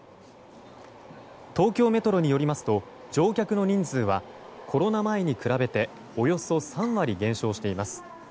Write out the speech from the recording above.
東京メトロによりますと乗客の人数はコロナ前に比べておよそ３割減少しています。